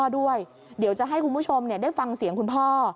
เดี๋ยวจะให้คุณผู้ชมได้ฟังเสียงคุณพ่อ